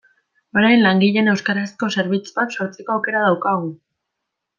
Orain langileen euskarazko zerbitzuak sortzeko aukera daukagu.